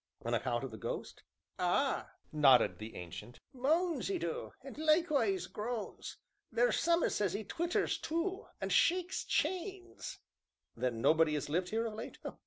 "On account of the ghost?" "Ah!" nodded the Ancient, "moans 'e du, an' likewise groans. Theer's some as says 'e twitters tu, an' shakes chains." "Then nobody has lived here of late?"